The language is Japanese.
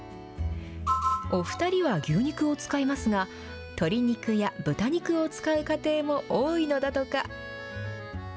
お２人は牛肉を使いますが、鶏肉や豚肉を使う家庭も多いのだとか。